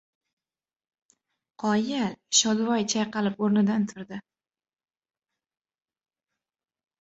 — Qoyil!— Shodivoy chayqalib o‘rnidan turdi.